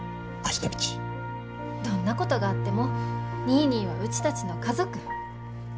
どんなことがあってもニーニーはうちたちの家族。